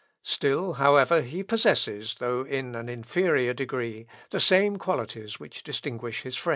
Still however he possesses, though in an inferior degree, the same qualities which distinguish his friend.